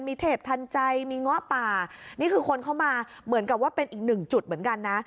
มีเทพทันใจมีเงาะป่านี่คือคนเข้ามาเหมือนกับว่าเป็นอีกหนึ่งจุดเหมือนกันนะ